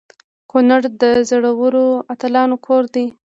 کنړ د زړورو اتلانو کور دی.